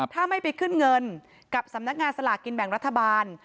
ถ้าไม่ไปขึ้นเงินกับสำนักงานสลากกินแบ่งรัฐบาล